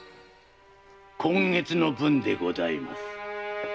今月の分でございます。